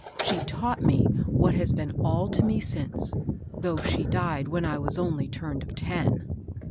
She taught me what has been all to me since, though she died when I was only turned of ten.